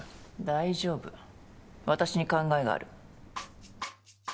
大丈夫私に考えがある。